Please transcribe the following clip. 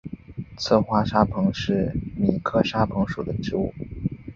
侧花沙蓬是苋科沙蓬属的植物。